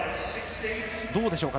どうでしょうか。